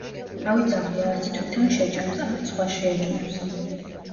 ავი ძაღლი არც თითონ შეჭამს, არც სხვას შეაჭმევსო